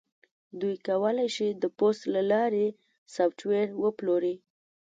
دوی کولی شي د پوست له لارې سافټویر وپلوري